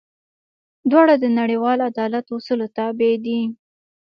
دواړه د نړیوال عدالت اصولو تابع دي.